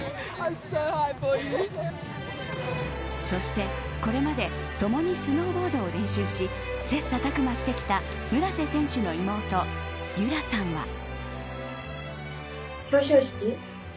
そして、これまでともにスノーボードを練習し切磋琢磨してきた村瀬選手の妹、由徠さんは。